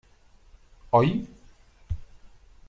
Oi?